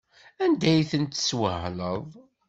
Anda ay ten-tesweḥleḍ?